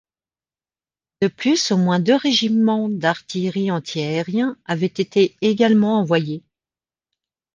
De plus, au moins deux régiments d'artillerie anti-aériens avaient été également envoyés.